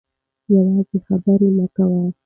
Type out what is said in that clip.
یوازې خبرې مه کوئ.